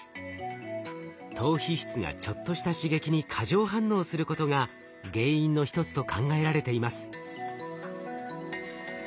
島皮質がちょっとした刺激に過剰反応することが原因の一つと考えられています。